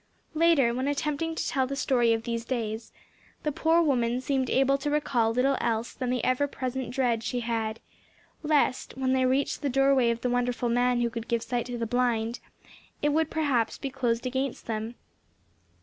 Later, when attempting to tell the story of these days, the poor woman seemed able to recall little else than the ever present dread she had, lest when they reach the doorway of the wonderful man who could give sight to the blind, it would perhaps be closed against them.